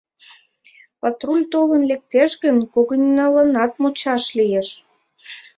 Патруль толын лектеш гын, когыньналанат мучаш лиеш.